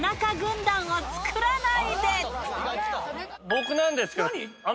僕なんですけど。